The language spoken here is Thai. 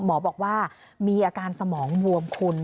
หมอบอกว่ามีอาการสมองบวมคุณ